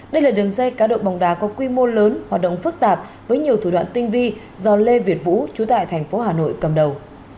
đây là đường dây cá độ bóng đá có quy mô lớn hoạt động phức tạp với nhiều thủ đoạn tinh vi do lê việt vũ chú tại thành phố hà nội cầm đầu